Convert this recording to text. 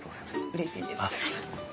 うれしいです。